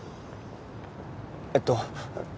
えっと。